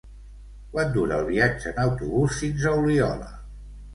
Quant dura el viatge en autobús fins a Oliola?